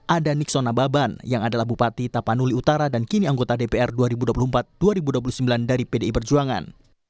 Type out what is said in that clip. ada nixo nababan yang adalah bupati tapanuli utara dan kini anggota dpr dua ribu dua puluh empat dua ribu dua puluh sembilan dari pdi perjuangan